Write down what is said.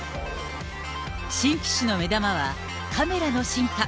新機種の目玉はカメラの進化。